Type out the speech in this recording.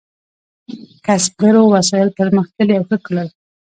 کسبګرو وسایل پرمختللي او ښه کړل.